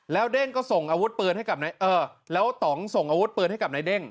แล้วเด้งก็ส่งอาวุธปืนให้กับนายเออแล้วต่องส่งอาวุธปืนให้กับนายเด้ง